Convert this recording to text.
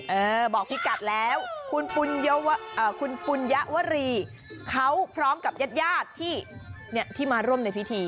เออบอกพี่กัดแล้วคุณปุญยวรีเขาพร้อมกับญาติญาติที่มาร่วมในพิธี